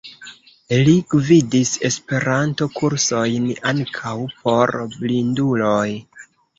Li gvidis Esperanto-kursojn, ankaŭ por blinduloj.